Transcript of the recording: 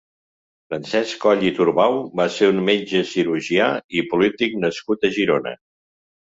Francesc Coll i Turbau va ser un metge cirurgià i polític nascut a Girona.